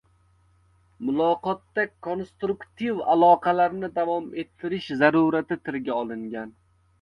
Muloqotda konstruktiv aloqalarni davom ettirish zarurati tilga olingan.